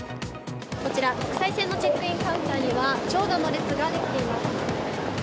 こちら、国際線のチェックインカウンターには長蛇の列ができています。